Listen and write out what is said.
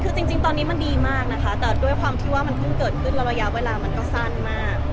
คือจริงตอนนี้มันดีมากนะคะแต่ด้วยความที่ว่ามันเพิ่งเกิดขึ้นแล้วระยะเวลามันก็สั้นมาก